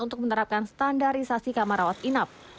untuk menerapkan standarisasi kamar rawat inap